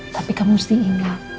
tapi kamu harus diingat